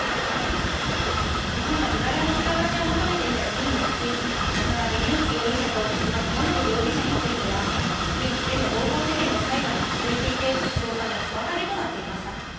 日本が身柄の引き渡しを求めていた４人のうち、渡辺優樹容疑者と小島智信容疑者については、現地での暴行事件の裁判が続いていて、送還の妨げとなっていました。